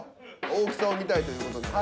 大きさを見たいという事なんで。